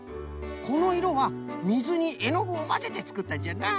このいろはみずにえのぐをまぜてつくったんじゃな！